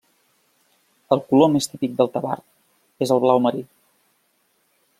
El color més típic del tabard és el blau marí.